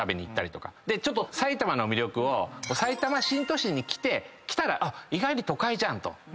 でちょっと埼玉の魅力をさいたま新都心に来て来たら意外と都会じゃんと。